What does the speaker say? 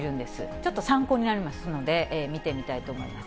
ちょっと参考になりますので、見てみたいと思います。